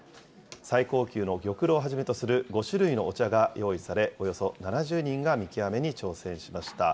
最高級の玉露をはじめとする５種類のお茶が用意され、およそ７０人が見極めに挑戦しました。